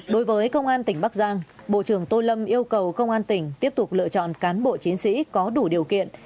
đối với công an tỉnh bắc giang bộ trưởng tô lâm yêu cầu công an tỉnh tiếp tục lựa chọn cán bộ chiến sĩ có đủ điều kiện